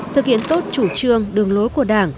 thực hiện tốt chủ trương đường lối của đảng